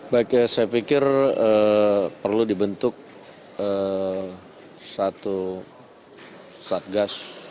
baik ya saya pikir perlu dibentuk satgas lintas lembaga